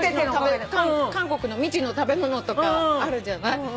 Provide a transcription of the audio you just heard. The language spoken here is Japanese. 韓国の未知の食べ物とかあるじゃない。